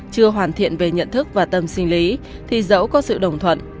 chưa hoàn thiện về nhận thức và tâm sinh lý thì dẫu có sự đồng thuận